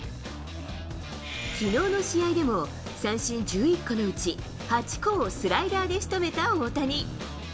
きのうの試合でも、三振１１個のうち、８個をスライダーでしとめた大谷。